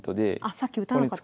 さっき打たなかったから。